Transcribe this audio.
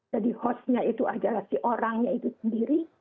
jadi hostnya itu adalah si orangnya itu sendiri